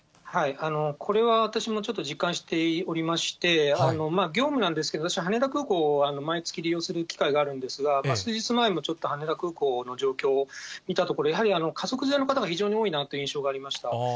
これは私もちょっと実感しておりまして、業務なんですけど、私、羽田空港を毎月、利用する機会があるんですが、数日前もちょっと羽田空港の状況を見たところ、やはり家族連れの方が非常に多いなという印象がありました。